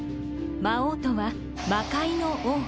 「魔王」とは魔械の王。